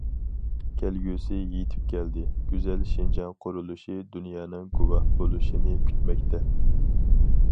كەلگۈسى يېتىپ كەلدى، گۈزەل شىنجاڭ قۇرۇلۇشى دۇنيانىڭ گۇۋاھ بولۇشىنى كۈتمەكتە.